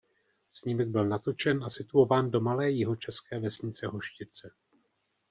Snímek byl natočen a situován do malé jihočeské vesnice Hoštice.